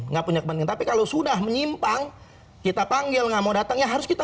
enggak punya kepenting tapi kalau sudah menyimpang kita panggil nggak mau datangnya harus kita